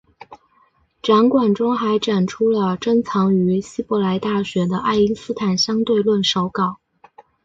展馆中还展出了珍藏于希伯来大学的爱因斯坦相对论手稿。